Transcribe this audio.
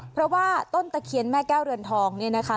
เพราะว่าต้นตะเคียนแม่แก้วเรือนทองเนี่ยนะคะ